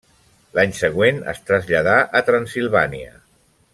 L'any següent es traslladà a Transsilvània.